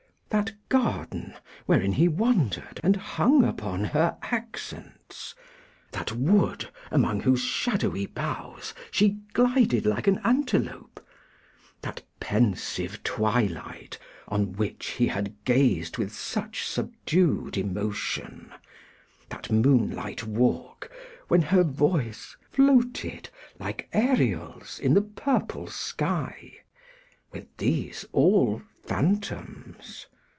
That garden, wherein he wandered and hung upon her accents; that wood, among whose shadowy boughs she glided like an antelope, that pensive twilight, on which he had gazed with such subdued emotion; that moonlight walk, when her voice floated, like Ariel's, in the purple sky: were these all phantoms?